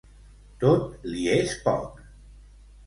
Tot li és poc.